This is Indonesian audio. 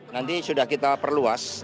nanti sudah kita perluas